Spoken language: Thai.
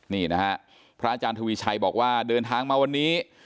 นี่นะฮะพระอาจารย์ทวีชัยบอกว่าเดินทางมาวันนี้